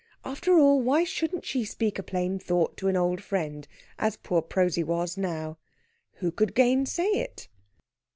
After all, why shouldn't she speak a plain thought to an old friend, as poor Prosy was now? Who could gainsay it?